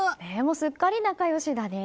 すっかり仲良しだね。